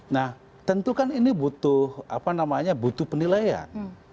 nah tentu kan ini butuh penilaian